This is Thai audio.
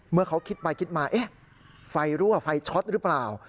เมื่อเขาคิดไปคิดมาเอ๊ะไฟรั่วไฟช็อตหรือเปล่า